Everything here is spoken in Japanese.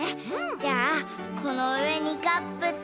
じゃあこのうえにカップと。